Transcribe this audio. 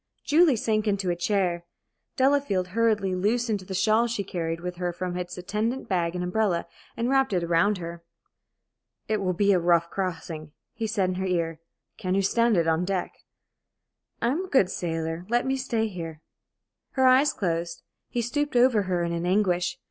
Julie sank into a chair. Delafield hurriedly loosened the shawl she carried with her from its attendant bag and umbrella, and wrapped it round her. "It will be a rough crossing," he said, in her ear. "Can you stand it on deck?" "I am a good sailor. Let me stay here." Her eyes closed. He stooped over her in an anguish.